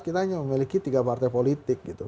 kita hanya memiliki tiga partai politik gitu